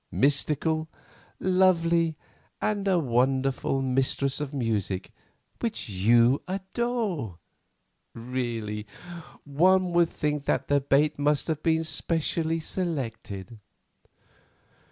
Mystical, lovely, and a wonderful mistress of music, which you adore; really, one would think that the bait must have been specially selected."